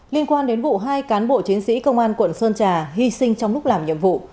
liên quan đến vụ hai cán bộ chiến sĩ công an quận sơn trà hy sinh trong lúc làm nhiệm vụ